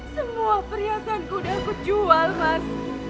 semua periasanku udah aku jual mas